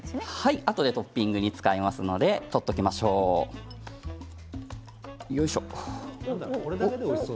あとでトッピングに使うので取っておきましょう。